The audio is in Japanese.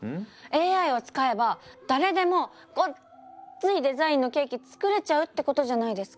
ＡＩを使えば誰でもごっついデザインのケーキ作れちゃうってことじゃないですか。